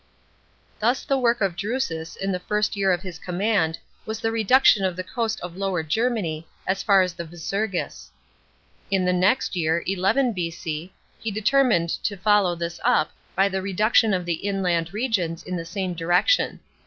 § 5. Thus the work of Drusus in the first year of his command was the reduction of the coast of Lower Germany as far as the Visur is. In the next year (11 B.C.) he determined to follow this up by the reduction of the inland regions in the same direction.